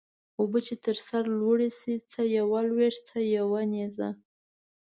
اوبه چې تر سر لوړي سي څه يوه لويشت څه يو نيزه.